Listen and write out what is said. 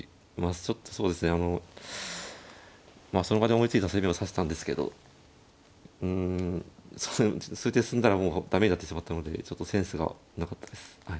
ちょっとそうですねあのまあその場で思いついた攻めを指したんですけどうん数手進んだらもう駄目になってしまったのでちょっとセンスがなかったですはい。